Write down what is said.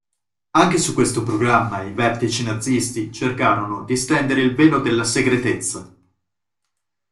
Anche su questo programma i vertici nazisti cercarono di stendere il velo della segretezza.